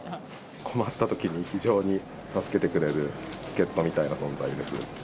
困ったときに非常に助けてくれる助っ人みたいな存在です。